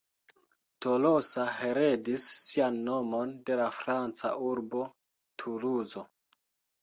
Tolosa heredis sian nomon de la franca urbo Tuluzo.